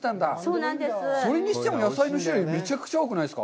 それにしても野菜の種類、めちゃくちゃ多くないですか？